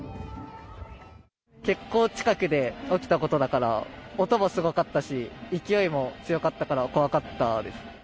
結構近くで起きたことだから、音もすごかったし、勢いも強かったから怖かったです。